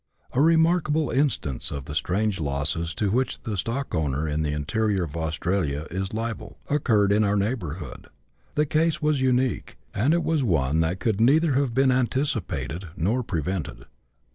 A remarkable instance of the strange losses to which the stockowner in the interior of Australia is liable, occurred in our neighbourhood. The case was unique, and it was one that could neither have been anticipated nor prevented.